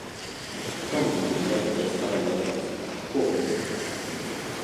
Kang vit d’une manière extravagante et corrompue.